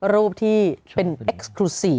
รูปที่เป็นกล่อง